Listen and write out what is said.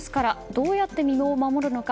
どうやって身を守るのか